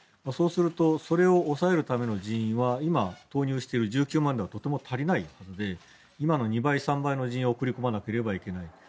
そうするとそれを押さえるための人員は今、投入している１９万ではとても足りないので今の２倍、３倍の人員を送り込まなければいけない。